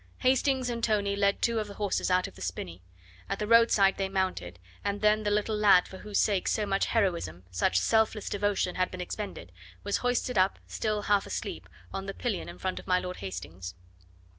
Hastings and Tony led two of the horses out of the spinney; at the roadside they mounted, and then the little lad for whose sake so much heroism, such selfless devotion had been expended, was hoisted up, still half asleep, on the pillion in front of my Lord Hastings.